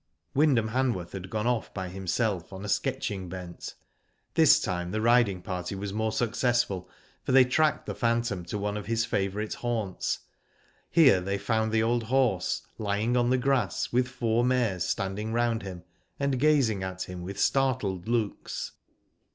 Wyndham Hanworth had gone off by himself on sketching bent. This time the riding party was more successful, for they tracked the phantom to one of his favourite haunts. Here they found the old horse lying on the grass with four mares standing round him, and gazing at him with startled looks.